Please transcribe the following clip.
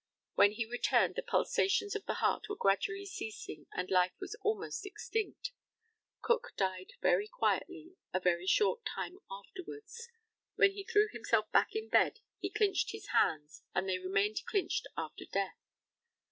When he returned the pulsations of the heart were gradually ceasing, and life was almost extinct. Cook died very quietly a very short time afterwards. When he threw himself back in bed he clinched his hands, and they remained clinched after death.